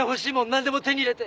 何でも手に入れて。